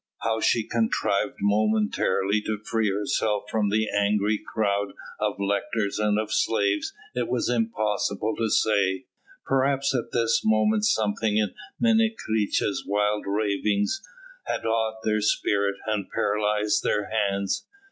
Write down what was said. How she contrived momentarily to free herself from the angry crowd of lictors and of slaves it were impossible to say; perhaps at this moment something in Menecreta's wild ravings had awed their spirit and paralysed their hands.